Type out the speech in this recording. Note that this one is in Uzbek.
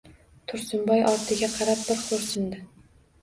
Tursunboy ortiga qarab bir xo‘rsindi.